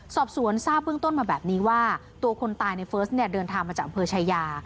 สอบสวนทราบเบื้องต้นมาแบบนี้ว่าตัวคนตายในเฟิร์สเนี่ยเดินทางมาจากอำเภอชายา